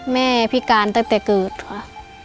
แม่พิการตั้งแต่เกิดค่ะ